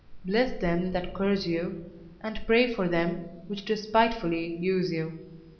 Bless them that curse you, and pray for them which despitefully use you.